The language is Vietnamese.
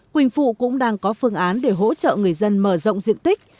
quỳnh phụ cũng đang có phương án để hỗ trợ người dân mở rộng diện tích